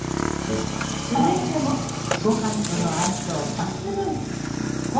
続いてもごはんとの相性抜群！